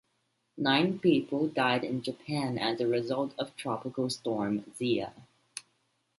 Nine people died in Japan as a result of Tropical Storm Zia.